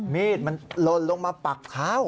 มีดมันลนลงมาปักเท้า